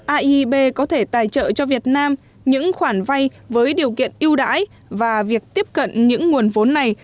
aieb sẽ tài trợ cho việt nam những khoản vay với điều kiện ưu đãi và việc tiếp cận những nguồn vốn này